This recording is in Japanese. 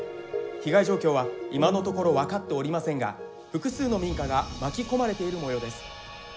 被害状況は今のところ分かっておりませんが複数の民家が巻き込まれているもようです。